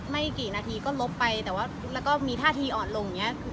ไม่กี่นาทีก็ลบไปแต่ว่าแล้วก็มีท่าทีอ่อนลงอย่างนี้